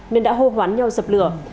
nên đã hô hoán nhau dập lửa